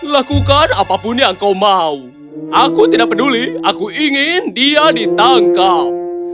lakukan apapun yang kau mau aku tidak peduli aku ingin dia ditangkal